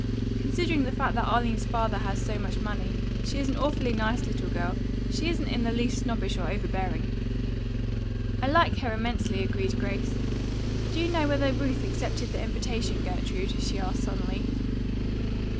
Considering the fact that Arline's father has so much money, she is an awfully nice little girl. She isn't in the least snobbish or overbearing." "I like her immensely," agreed Grace. "Do you know whether Ruth accepted the invitation, Gertrude?" she asked suddenly.